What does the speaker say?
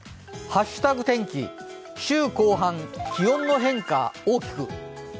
「＃ハッシュタグ天気」、週後半、気温の変化大きく。